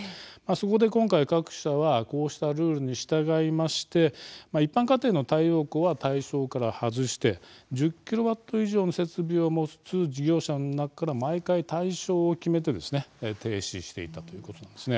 そこで今回、各社はこうしたルールに従いまして一般家庭の太陽光は対象から外して１０キロワット以上の設備を持つ事業者の中から毎回対象を決めて停止していたということなんです。